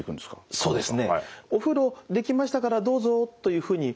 そうですね。